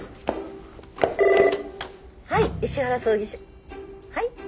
☎はい石原葬儀社はい？